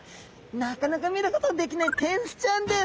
なかなか見ることができないテンスちゃんです。